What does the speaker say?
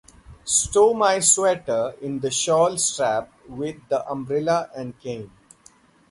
Stow my sweater in the shawl strap with the umbrella and cane.